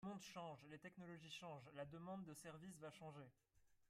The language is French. Le monde change, les technologies changent, la demande de services va changer.